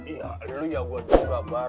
iya ini lo yang buat juga bar